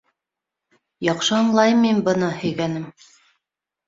— Яҡшы аңлайым мин быны, һөйгәнем.